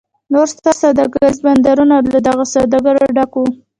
نور ستر سوداګریز بندرونه له دغه ډول سوداګرو ډک و.